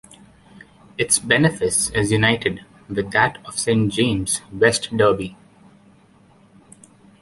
Its benefice is united with that of Saint James, West Derby.